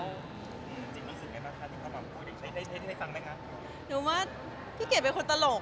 อเจมส์จริงยังไงบ้างคะที่เขามาพูดได้ฟังได้ไง